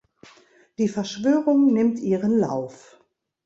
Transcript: Die Verschwörung nimmt ihren Lauf.